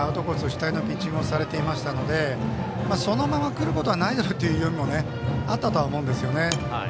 主体のピッチングをされていましたのでそのまま来ることはないだろうという読みもあったとは思うんですよね。